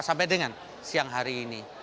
sampai dengan siang hari ini